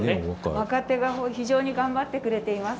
若手が非常に頑張ってくれています。